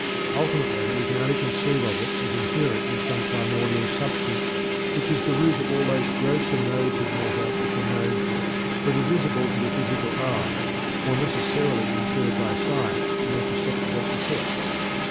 Ultimately we can only conceive of it as inherent in some primordial substance which is the root of all those grosser modes of matter which are known to us, whether visible to the physical eye, or necessarily inferred by science from their perceptible effects.